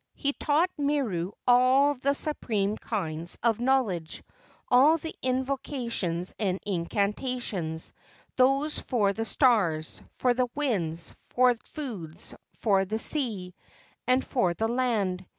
He taught Miru all the supreme kinds of knowledge, all the invocations and incantations, those for the stars, for the winds, for foods, for the sea, and for the land.